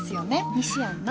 西やんな？